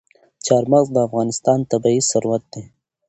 چار مغز د افغانستان طبعي ثروت دی.